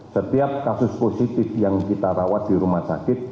setiap kasus positif yang kita rawat di rumah sakit